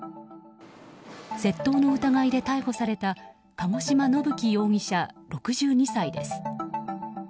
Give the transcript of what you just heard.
窃盗の疑いで逮捕された鹿児島伸樹容疑者、６２歳です。